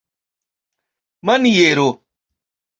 maniero